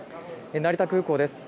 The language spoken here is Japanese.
成田空港です。